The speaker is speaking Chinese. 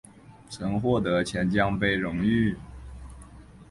曾获得钱江杯荣誉。